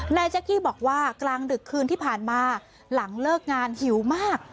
แจ๊กกี้บอกว่ากลางดึกคืนที่ผ่านมาหลังเลิกงานหิวมาก